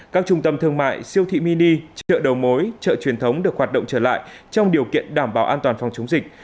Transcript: các trung tâm thương mại siêu thị mini chợ đầu mối chợ truyền thống được hoạt động trở lại trong điều kiện đảm bảo an toàn phòng chống dịch